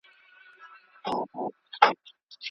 مګر که له اورېدونکو څخه